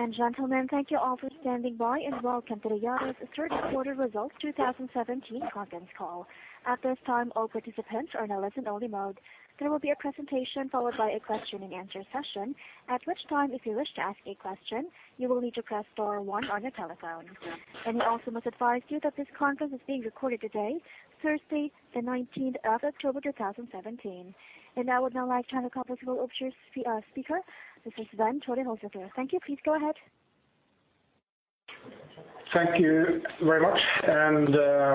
Ladies and gentlemen, thank you all for standing by, and welcome to the Yara's third quarter results 2017 conference call. At this time, all participants are now in listen-only mode. There will be a presentation followed by a question and answer session, at which time, if you wish to ask a question, you will need to press star 1 on your telephone. We also must advise you that this conference is being recorded today, Thursday, October 19, 2017. We'd now like turn the call over to our speaker, Mr. Svein Tore Holsether. Thank you. Please go ahead. Thank you very much, and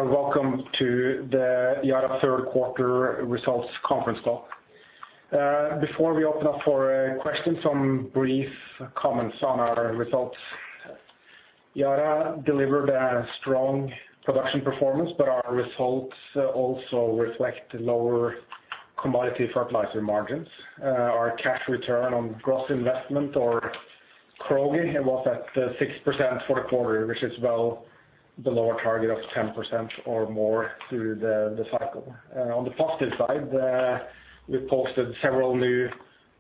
welcome to the Yara third quarter results conference call. Before we open up for questions, some brief comments on our results. Yara delivered a strong production performance, but our results also reflect lower commodity fertilizer margins. Our cash return on gross investment or CROGI was at 6% for the quarter, which is well below our target of 10% or more through the cycle. On the positive side, we posted several new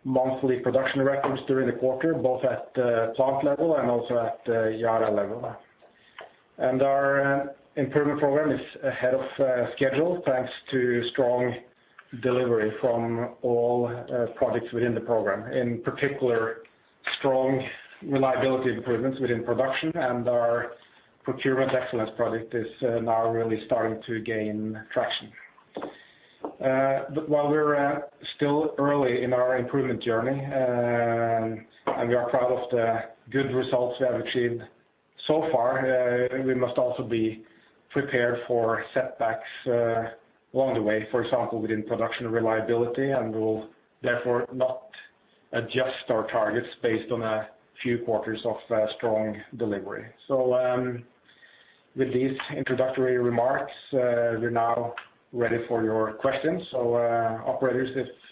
monthly production records during the quarter, both at the plant level and also at Yara level. Our improvement program is ahead of schedule, thanks to strong delivery from all projects within the program. In particular, strong reliability improvements within production and our procurement excellence project is now really starting to gain traction. While we are still early in our improvement journey, and we are proud of the good results we have achieved so far, we must also be prepared for setbacks along the way, for example, within production reliability, and we will therefore not adjust our targets based on a few quarters of strong delivery. With these introductory remarks, we are now ready for your questions. Operator,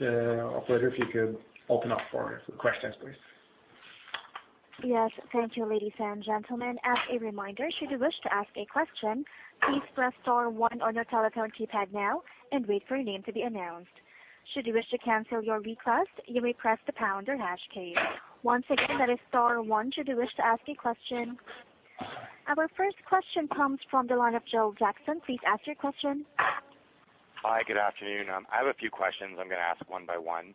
if you could open up for questions, please. Yes. Thank you, ladies and gentlemen. As a reminder, should you wish to ask a question, please press star 1 on your telephone keypad now and wait for your name to be announced. Should you wish to cancel your request, you may press the pound or hash key. Once again, that is star 1 should you wish to ask a question. Our first question comes from the line of Joe Jackson. Please ask your question. Hi, good afternoon. I have a few questions I am going to ask one by one.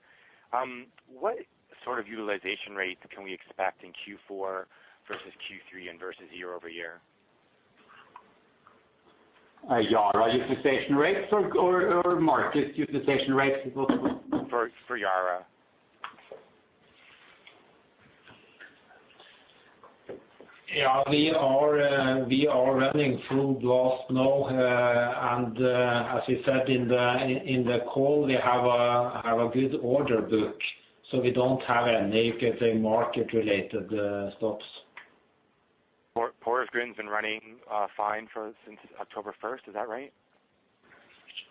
What sort of utilization rates can we expect in Q4 versus Q3 and versus year-over-year? Yara utilization rates or market utilization rates as well? For Yara. Yeah, we are running full blast now. As we said in the call, we have a good order book. We don't have any market-related stops. Porsgrunn's been running fine since October 1st. Is that right?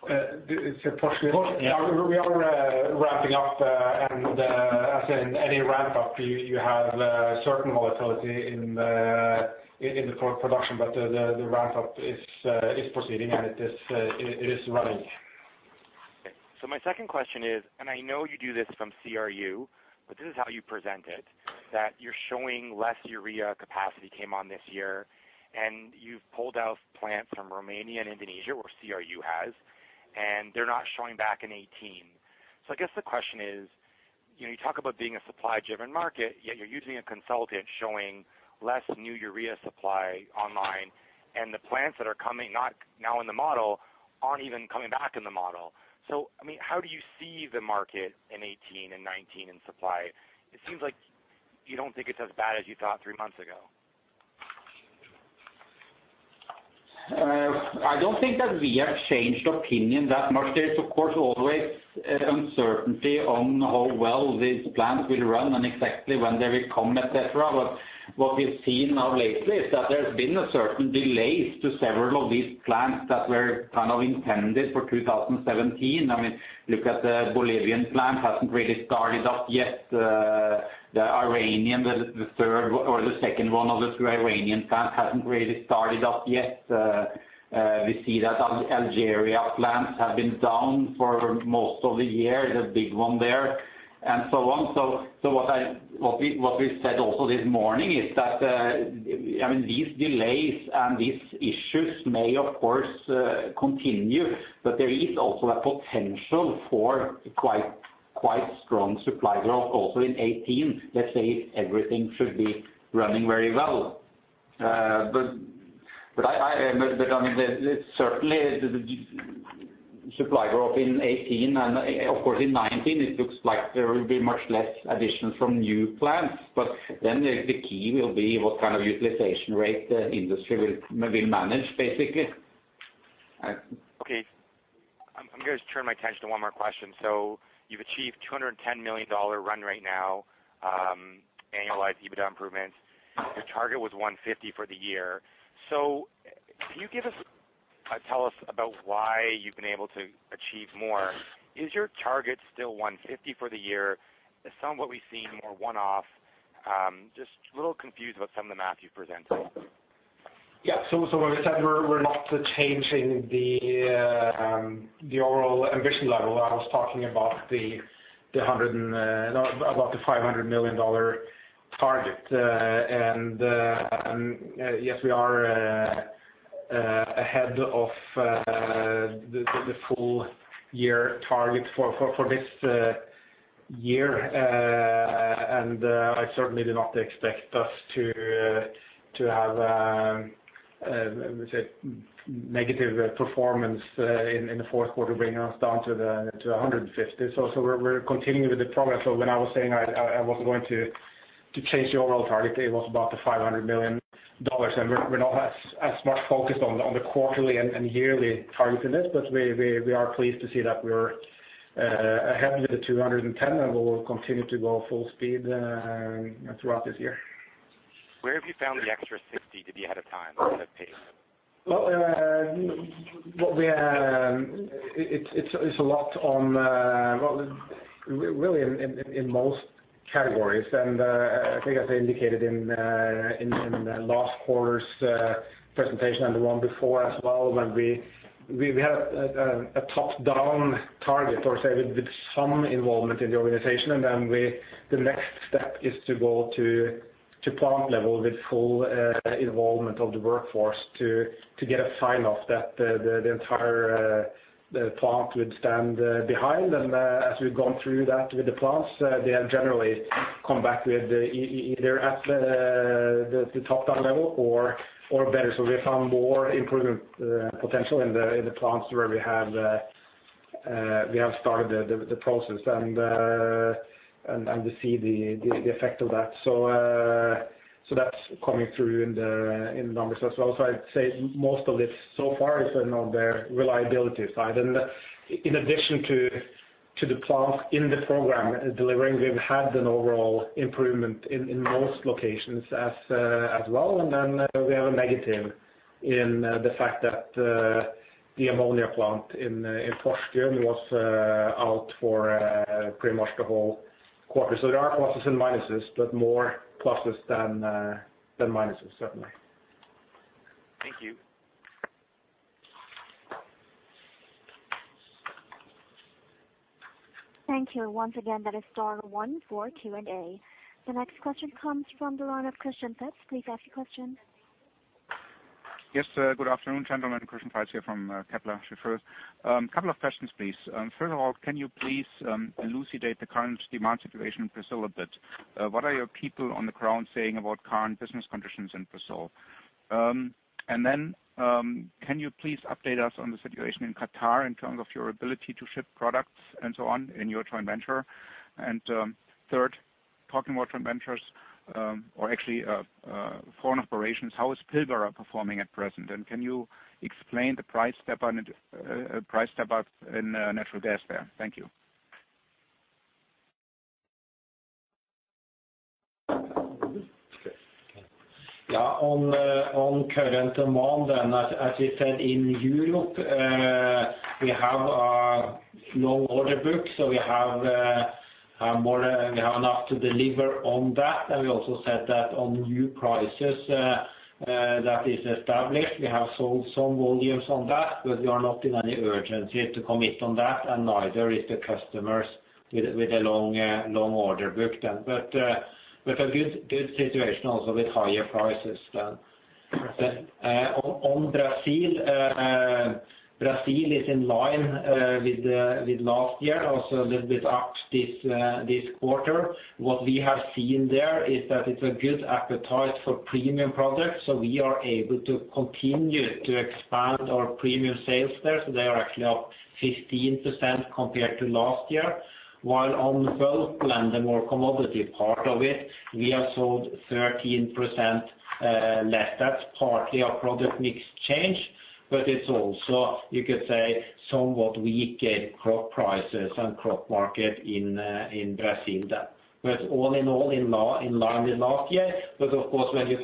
You said Porsgrunn? Yeah. We are ramping up and as in any ramp up, you have certain volatility in the production, but the ramp up is proceeding, and it is running. Okay. My second question is, and I know you do this from CRU, but this is how you present it, that you're showing less urea capacity came on this year, and you've pulled out plants from Romania and Indonesia, or CRU has, and they're not showing back in 2018. I guess the question is, you talk about being a supply-driven market, yet you're using a consultant showing less new urea supply online, and the plants that are coming, not now in the model, aren't even coming back in the model. How do you see the market in 2018 and 2019 in supply? It seems like you don't think it's as bad as you thought three months ago. I don't think that we have changed opinion that much. There is, of course, always uncertainty on how well these plants will run and exactly when they will come, et cetera. What we've seen now lately is that there's been a certain delays to several of these plants that were kind of intended for 2017. Look at the Bolivian plant hasn't really started up yet. The second one of the 3 Iranian plants hasn't really started up yet. We see that Algeria plants have been down for most of the year, the big one there, and so on. What we said also this morning is that these delays and these issues may, of course, continue, but there is also a potential for quite strong supply growth also in 2018. Let's say if everything should be running very well. Certainly supply growth in 2018 and of course in 2019, it looks like there will be much less addition from new plants. The key will be what kind of utilization rate the industry will manage, basically. Okay. I'm going to turn my attention to one more question. You've achieved $210 million run rate now, annualized EBITDA improvements. Your target was $150 for the year. Can you tell us about why you've been able to achieve more? Is your target still $150 for the year? Is some what we've seen more one-off? Just a little confused about some of the math you've presented. Yeah. As I said, we're not changing the overall ambition level. I was talking about the $500 million target. Yes, we are ahead of the full year target for this year. I certainly do not expect us to have negative performance in the fourth quarter bringing us down to $150. We're continuing with the progress. When I was saying I wasn't going to change the overall target, it was about the $500 million. We're not as much focused on the quarterly and yearly targets in it. We are pleased to see that we are ahead with the $210, and we will continue to go full speed throughout this year. Where have you found the extra 60 to be ahead of time, ahead of pace? Well, it's a lot on Well, really in most categories. I think as I indicated in the last quarter's presentation and the one before as well, when we have a top-down target, or say, with some involvement in the organization. Then the next step is to go to plant level with full involvement of the workforce to get a sign-off that the entire plant would stand behind. As we've gone through that with the plants, they have generally come back with either at the top-down level or better. We have found more improvement potential in the plants where we have started the process and we see the effect of that. That's coming through in the numbers as well. I'd say most of it so far is on the reliability side. In addition to the plant in the program delivering, we've had an overall improvement in most locations as well. Then we have a negative in the fact that the ammonia plant in Porsgrunn was out for pretty much the whole quarter. There are pluses and minuses, but more pluses than minuses certainly. Thank you. Thank you. Once again, that is star one for Q&A. The next question comes from the line of Christian Faitz. Please ask your question. Yes, good afternoon, gentlemen. Christian Faitz here from Kepler Cheuvreux. Couple of questions, please. First of all, can you please elucidate the current demand situation in Brazil a bit? What are your people on the ground saying about current business conditions in Brazil? Then, can you please update us on the situation in Qatar in terms of your ability to ship products and so on in your joint venture? Third, talking about joint ventures or actually foreign operations, how is Pilbara performing at present? Can you explain the price step-up in natural gas there? Thank you. Yeah. On current demand, as we said, in Europe, we have a long order book, we have enough to deliver on that. We also said that on new prices that is established, we have sold some volumes on that, we are not in any urgency to commit on that, neither is the customers with a long order book then. A good situation also with higher prices then. On Brazil is in line with last year, also a little bit up this quarter. What we have seen there is that it's a good appetite for premium products, we are able to continue to expand our premium sales there. They are actually up 15% compared to last year. While on bulk and the more commodity part of it, we have sold 13% less. That's partly our product mix change, it's also, you could say, somewhat weaker crop prices and crop market in Brazil there. All in all, in line with last year. Of course, when we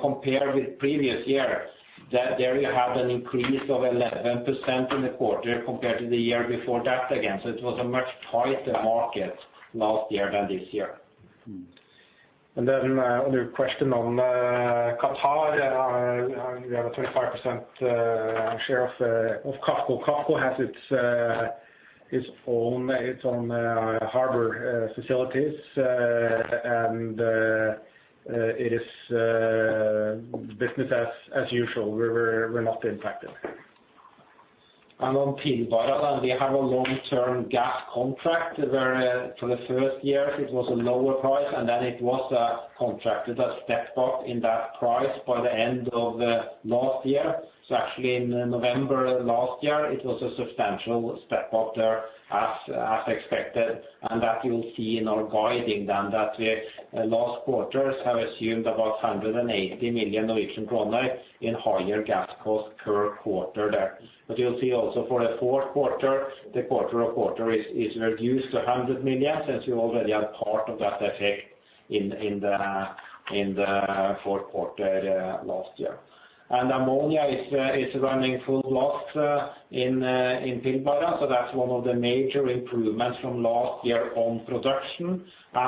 compare with previous years, there you had an increase of 11% in the quarter compared to the year before that again. It was a much tighter market last year than this year. On your question on Qatar, we have a 25% share of Qafco. Qafco has its own harbor facilities, and it is business as usual. We're not impacted. On Pilbara, we have a long-term gas contract where for the first year it was a lower price, and then it was contracted a step-up in that price by the end of last year. Actually in November last year, it was a substantial step-up there as expected. That you will see in our guiding then that we, last quarters, have assumed about 180 million Norwegian kroner in higher gas cost per quarter there. You will see also for the fourth quarter, the quarter-on-quarter is reduced to 100 million, since you already have part of that effect in the fourth quarter last year. Ammonia is running full blast in Pilbara. That's one of the major improvements from last year on production.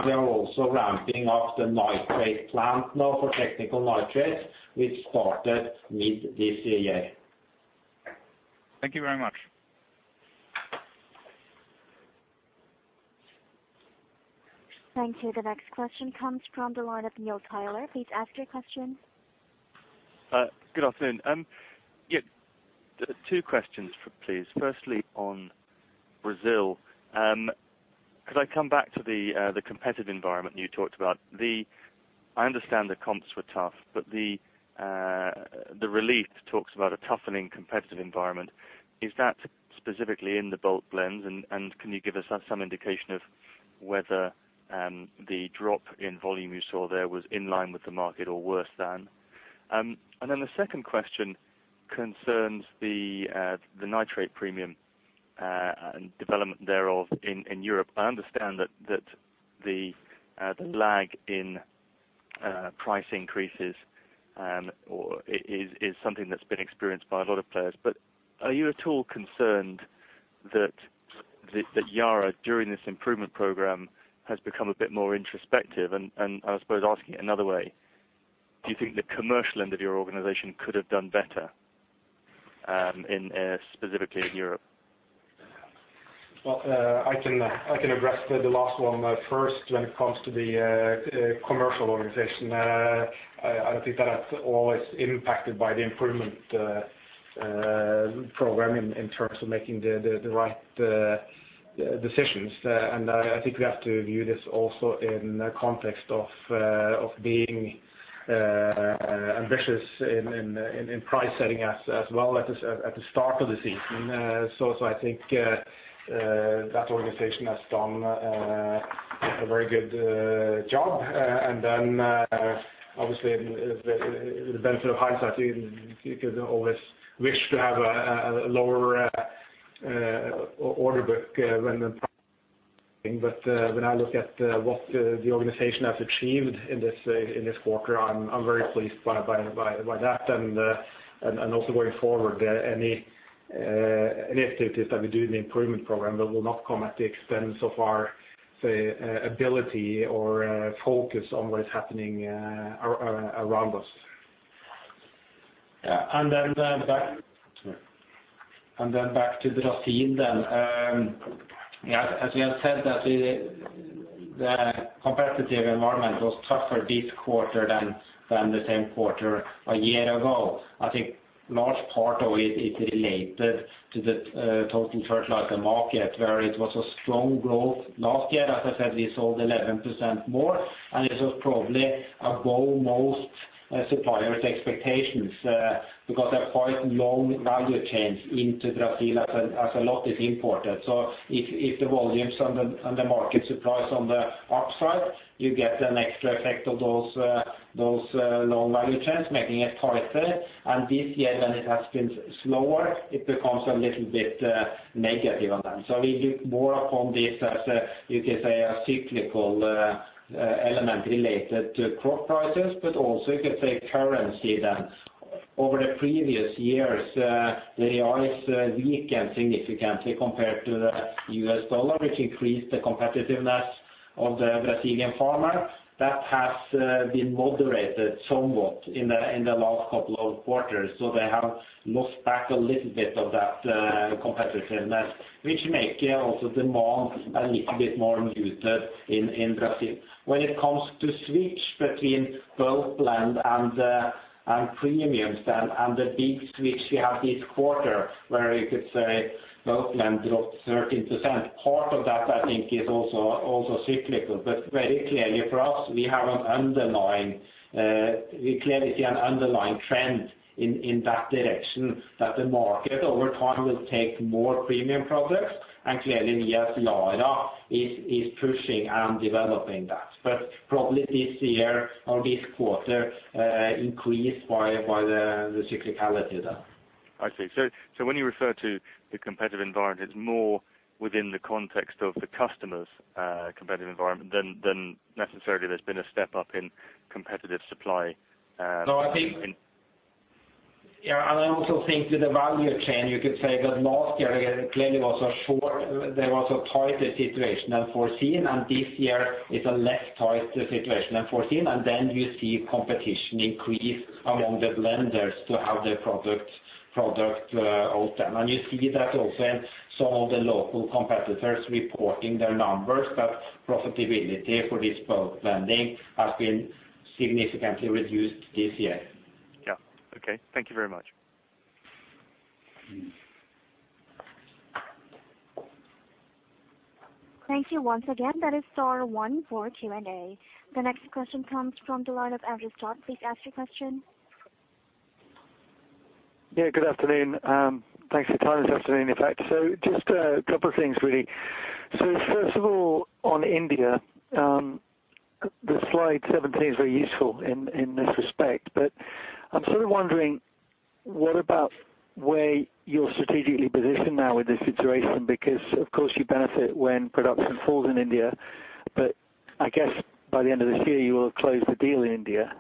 We are also ramping up the nitrate plant now for technical nitrates, which started mid this year. Thank you very much. Thank you. The next question comes from the line of Neil Tyler. Please ask your question. Good afternoon. Two questions, please. Firstly, on Brazil, could I come back to the competitive environment you talked about? I understand the comps were tough, but the release talks about a toughening competitive environment. Is that specifically in the bulk blends? Can you give us some indication of whether the drop in volume you saw there was in line with the market or worse than? The second question concerns the nitrate premium and development thereof in Europe. I understand that the lag in price increases is something that's been experienced by a lot of players, but are you at all concerned that Yara, during this improvement program, has become a bit more introspective? I suppose asking it another way, do you think the commercial end of your organization could have done better specifically in Europe? I can address the last one first. When it comes to the commercial organization, I don't think that's always impacted by the improvement program in terms of making the right decisions. I think we have to view this also in the context of being ambitious in price setting as well at the start of the season. I think that organization has done a very good job. Obviously, the benefit of hindsight, you could always wish to have a lower order book when I see. When you refer to the competitive environment, it's more within the context of the customer's competitive environment than necessarily there's been a step up in competitive supply- No, I think- I also think with the value chain, you could say that last year clearly there was a tighter situation than foreseen, and this year is a less tighter situation than foreseen. You see competition increase among the blenders to have their product out there. You see that also some of the local competitors reporting their numbers, but profitability for this bulk blending has been significantly reduced this year. Yeah. Okay. Thank you very much. Thank you once again, that is star one for Q&A. The next question comes from the line of Andrew Scott. Please ask your question. Yeah, good afternoon. Thanks for your time this afternoon, in fact. Just a couple of things, really. First of all, on India, the slide 17 is very useful in this respect, but I'm sort of wondering What about where you're strategically positioned now with this situation? Of course, you benefit when production falls in India, but I guess by the end of this year you will have closed the deal in India.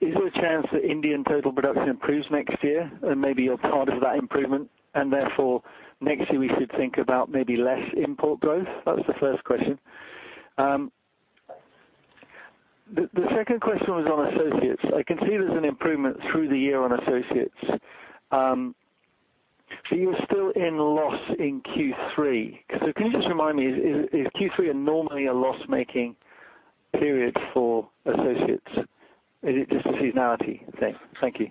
Is there a chance that Indian total production improves next year, and maybe you're part of that improvement, and therefore next year we should think about maybe less import growth? That was the first question. The second question was on associates. I can see there's an improvement through the year on associates. You're still in loss in Q3. Can you just remind me, is Q3 normally a loss-making period for associates? Is it just a seasonality thing? Thank you.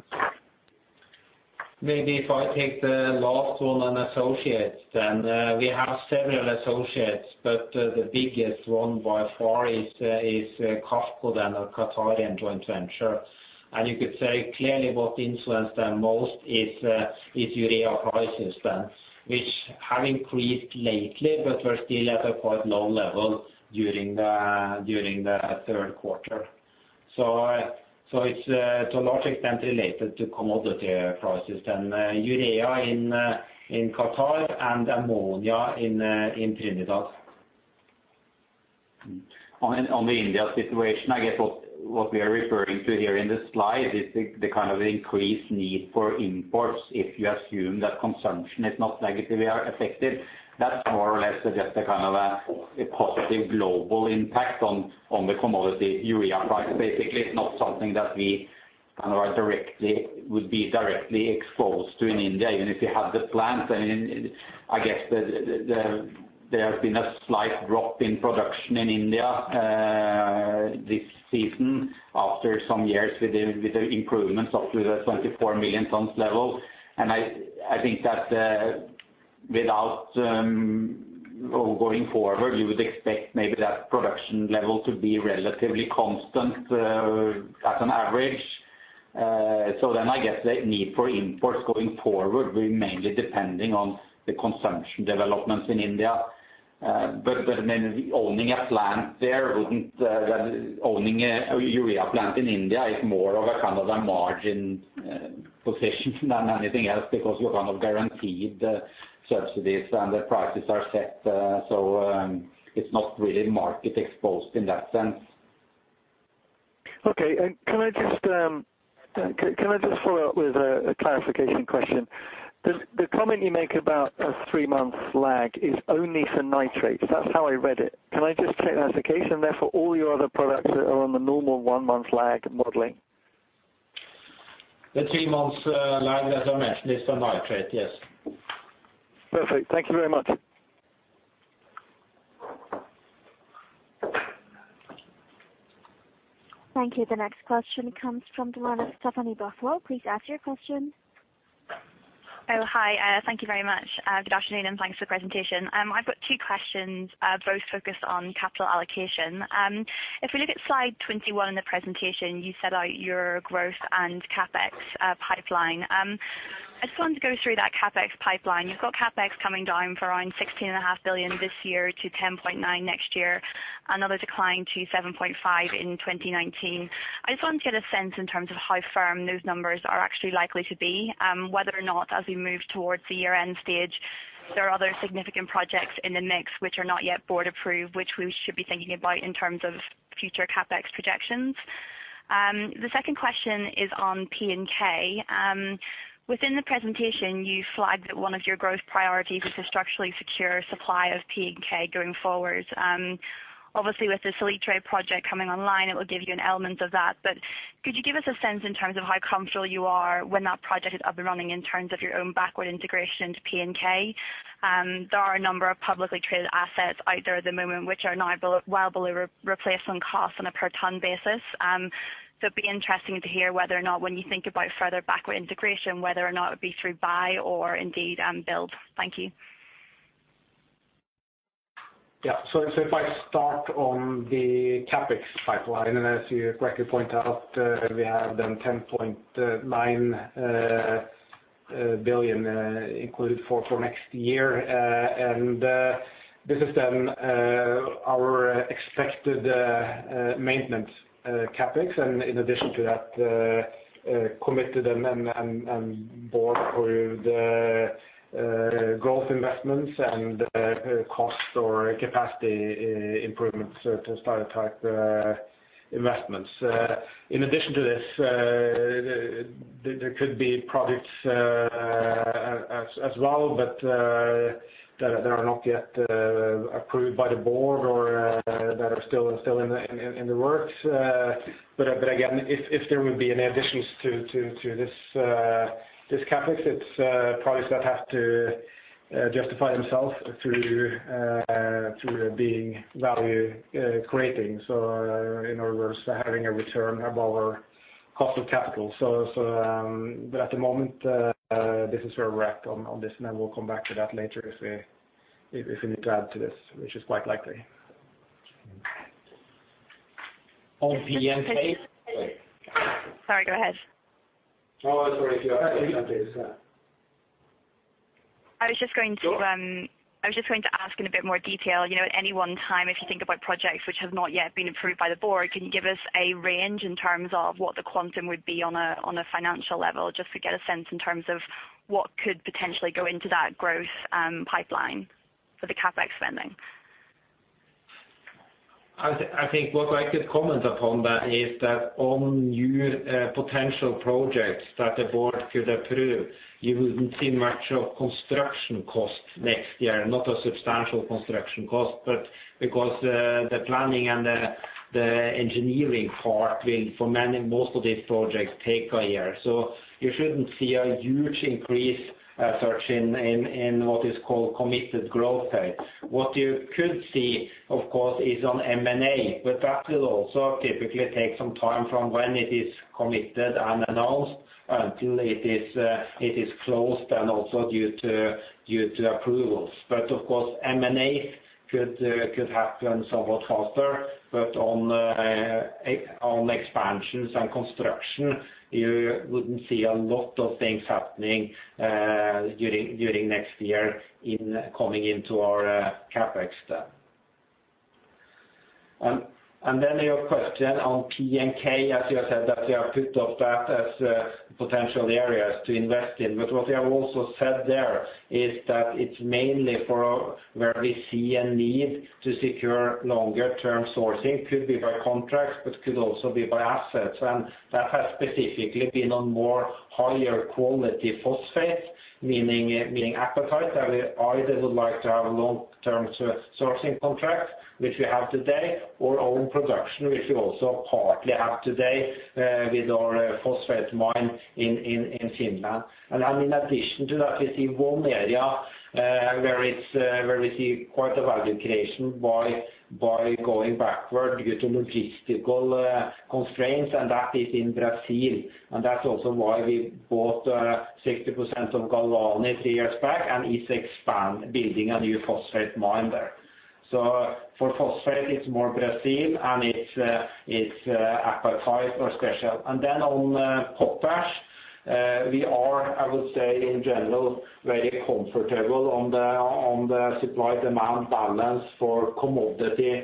I take the last one on associates then. We have several associates, but the biggest one by far is Qafco, the Qatari joint venture. You could say clearly what influenced them most is urea prices then, which have increased lately, but were still at a quite low level during the third quarter. It's to a large extent related to commodity prices then, urea in Qatar and ammonia in Trinidad. On the India situation, I guess what we are referring to here in this slide is the kind of increased need for imports if you assume that consumption is not negatively affected. That's more or less just a kind of a positive global impact on the commodity urea price, basically. It's not something that we would be directly exposed to in India, even if you have the plant. I guess there has been a slight drop in production in India this season after some years with the improvements up to the 24 million tons level. I think that going forward, you would expect maybe that production level to be relatively constant as an average. I guess the need for imports going forward will be mainly depending on the consumption developments in India. Owning a urea plant in India is more of a kind of a margin position than anything else, because you're kind of guaranteed subsidies and the prices are set. It's not really market exposed in that sense. Okay. Can I just follow up with a clarification question? The comment you make about a three-month lag is only for nitrates. That's how I read it. Can I just check that's the case, and therefore all your other products are on the normal one-month lag modeling? The three months lag, as I mentioned, is for nitrate, yes. Perfect. Thank you very much. Thank you. The next question comes from the line of Stephanie Buffolo. Please ask your question. Oh, hi. Thank you very much. Good afternoon, and thanks for the presentation. I've got two questions, both focused on capital allocation. If we look at slide 21 in the presentation, you set out your growth and CapEx pipeline. I just want to go through that CapEx pipeline. You've got CapEx coming down from around 16.5 billion this year to 10.9 billion next year, another decline to 7.5 billion in 2019. I just want to get a sense in terms of how firm those numbers are actually likely to be, whether or not, as we move towards the year-end stage, there are other significant projects in the mix which are not yet board approved, which we should be thinking about in terms of future CapEx projections. The second question is on P&K. Within the presentation, you flagged that one of your growth priorities is to structurally secure supply of P&K going forward. With the Salitre project coming online, it will give you an element of that. Could you give us a sense in terms of how comfortable you are when that project is up and running in terms of your own backward integration to P&K? There are a number of publicly traded assets out there at the moment which are now well below replacement cost on a per ton basis. It would be interesting to hear whether or not when you think about further backward integration, whether or not it would be through buy or indeed build. Thank you. Yes. If I start on the CapEx pipeline, as you correctly point out, we have done 10.9 billion included for next year. This is our expected maintenance CapEx, and in addition to that, committed and board-approved growth investments and cost or capacity improvements to start up type investments. In addition to this, there could be projects as well, but that are not yet approved by the board or that are still in the works. Again, if there will be any additions to this CapEx, it is projects that have to justify themselves through being value creating. In other words, having a return above our cost of capital. At the moment, this is where we are at on this, and we will come back to that later if we need to add to this, which is quite likely. On P&K. Sorry, go ahead. Oh, sorry. If you have P&K, yes. I was just going to ask in a bit more detail. At any one time, if you think about projects which have not yet been approved by the board, can you give us a range in terms of what the quantum would be on a financial level, just to get a sense in terms of what could potentially go into that growth pipeline for the CapEx spending? I think what I could comment upon that is that on new potential projects that the board could approve, you wouldn't see much of construction costs next year, not a substantial construction cost, because the planning and the engineering part will, for most of these projects, take a year. You shouldn't see a huge increase, [inaudible] in what is called committed growth rate. What you could see, of course, is on M&A, but that will also typically take some time from when it is committed and announced until it is closed, and also due to approvals. Of course, M&A could happen somewhat faster. On expansions and construction, you wouldn't see a lot of things happening during next year coming into our CapEx. Your question on P&K, as you have said, that we have put up that as potential areas to invest in. What we have also said there is that it's mainly for where we see a need to secure longer-term sourcing. Could be by contract, but could also be by assets. That has specifically been on more higher quality phosphate, meaning apatite, that we either would like to have long-term sourcing contracts, which we have today, or own production, which we also partly have today, with our phosphate mine in Finland. In addition to that, we see one area where we see quite a value creation by going backward due to logistical constraints, and that is in Brazil. That's also why we bought 60% of Galvani three years back and is building a new phosphate mine there. For phosphate, it's more Brazil, and it's apatite or special. On potash, we are, I would say, in general, very comfortable on the supply-demand balance for commodity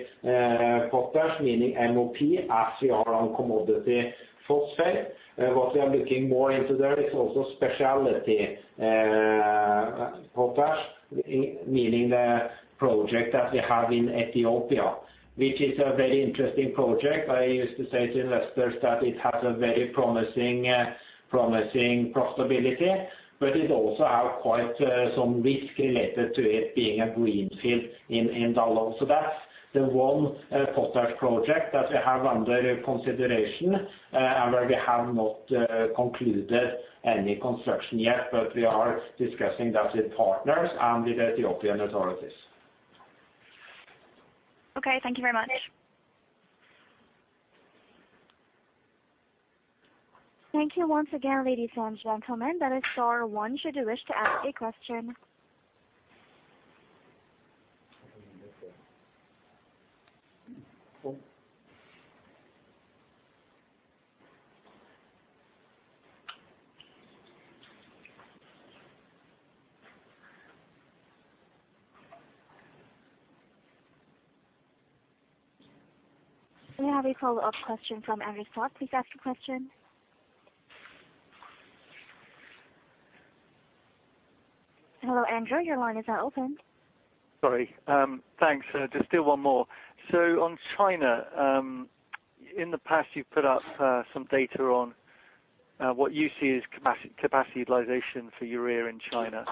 potash, meaning MOP, as we are on commodity phosphate. What we are looking more into there is also specialty potash, meaning the project that we have in Ethiopia, which is a very interesting project. I used to say to investors that it has a very promising profitability, but it also has quite some risk related to it being a greenfield in Dallol. That's the one potash project that we have under consideration, where we have not concluded any construction yet. We are discussing that with partners and with Ethiopian authorities. Okay. Thank you very much. Thank you once again, ladies and gentlemen, that is star 1 should you wish to ask a question. We have a follow-up question from Andrew Scott. Please ask your question. Hello, Andrew. Your line is now open. Sorry. Thanks. Just still one more. On China, in the past, you've put up some data on what you see as capacity utilization for urea in China.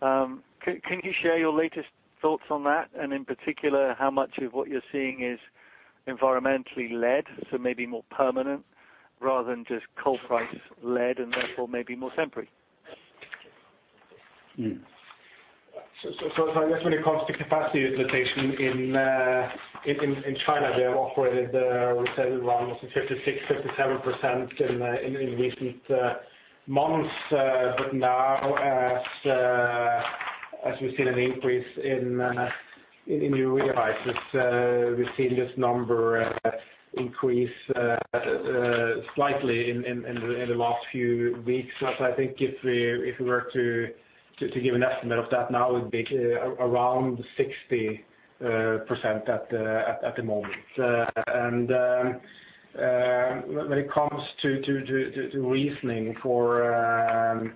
Can you share your latest thoughts on that, and in particular, how much of what you're seeing is environmentally-led, so maybe more permanent rather than just coal price-led and therefore maybe more temporary? I guess when it comes to capacity utilization in China, they have operated, I would say around 56%-57% in recent months. Now as we've seen an increase in urea prices, we've seen this number increase slightly in the last few weeks. I think if we were to give an estimate of that now, it would be around 60% at the moment. When it comes to reasoning for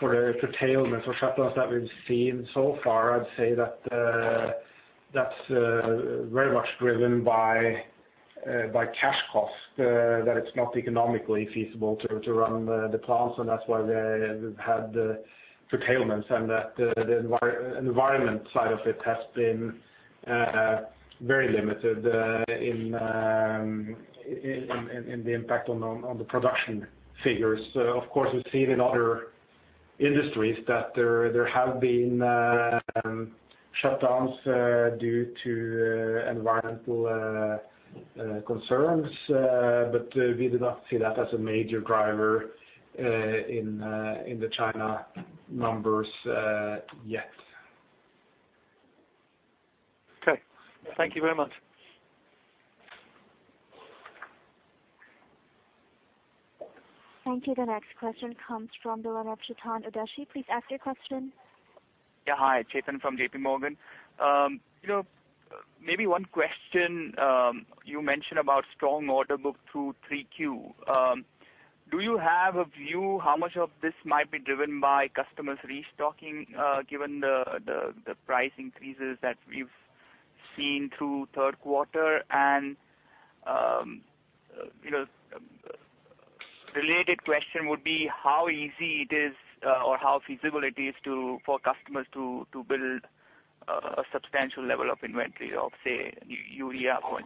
the curtailment or shutdowns that we've seen so far, I'd say that's very much driven by cash cost, that it's not economically feasible to run the plants, and that's why they've had the curtailments and that the environment side of it has been very limited in the impact on the production figures. Of course, we've seen in other industries that there have been shutdowns due to environmental concerns. We do not see that as a major driver in the China numbers yet. Okay. Thank you very much. Thank you. The next question comes from the line of Chetan Udasi. Please ask your question. Hi, Chetan from JPMorgan. Maybe one question, you mentioned about strong order book through 3Q. Do you have a view how much of this might be driven by customers restocking, given the price increases that we've seen through third quarter? Related question would be how easy it is or how feasible it is for customers to build a substantial level of inventory of, say, urea, for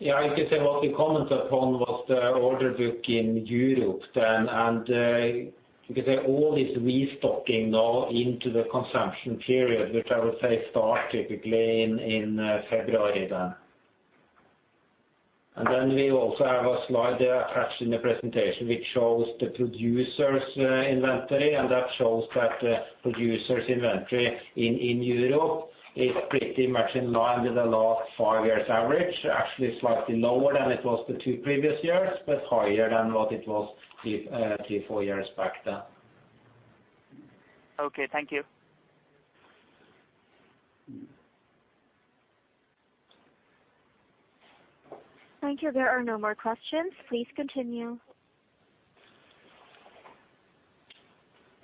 instance? I can say what we commented upon was the order book in Europe then, and you can say all this restocking now into the consumption period, which I would say starts typically in February then. We also have a slide there attached in the presentation, which shows the producer's inventory, and that shows that producer's inventory in Europe is pretty much in line with the last five years average. Actually slightly lower than it was the two previous years, but higher than what it was three, four years back then. Okay, thank you. Thank you. There are no more questions. Please continue.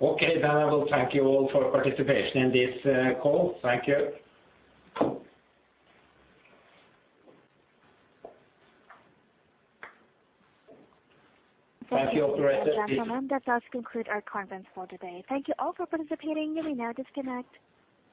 Okay, I will thank you all for participation in this call. Thank you. Thank you, operator. Thank you, gentlemen. That does conclude our conference call today. Thank you all for participating. You may now disconnect.